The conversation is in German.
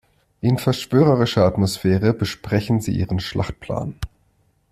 In verschwörerischer Atmosphäre besprechen sie ihren Schlachtplan.